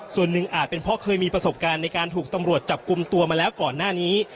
ส่วนหนึ่งอาจเป็นเพราะเคยมีประสบการณ์ในการถูกตำรวจจับกลุ่มตัวมาแล้วก่อนหน้านี้